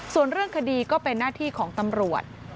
ส่วนเรื่องคดีก็เป็นหน้าที่ของตำรวจ